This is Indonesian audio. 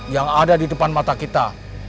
yang ada di depan mata kita